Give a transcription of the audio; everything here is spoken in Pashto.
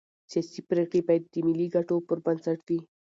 سیاسي پرېکړې باید د ملي ګټو پر بنسټ وي